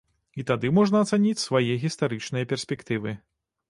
І тады можна ацаніць свае гістарычныя перспектывы.